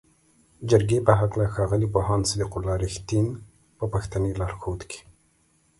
جرګې په هکله ښاغلي پوهاند صدیق الله "رښتین" په پښتني لارښود کې